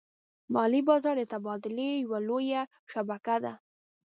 مالي بازار د تبادلې یوه لویه شبکه ده.